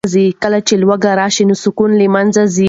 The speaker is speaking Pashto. کله چې لوږه راشي نو سکون له منځه ځي.